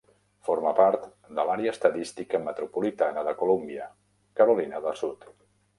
Forma part de l'Àrea Estadística Metropolitana de Columbia, Carolina de Sud.